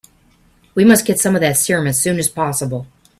We must get some of that serum as soon as possible.